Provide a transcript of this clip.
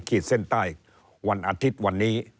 ขีดเส้นใต้วันอาทิตย์วันนี้